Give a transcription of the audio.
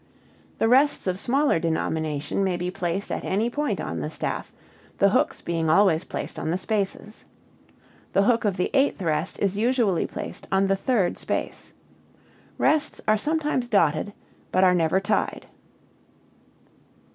The rests of smaller denomination may be placed at any point on the staff, the hooks being always placed on the spaces. The hook of the eighth rest is usually placed on the third space. Rests are sometimes dotted, but are never tied.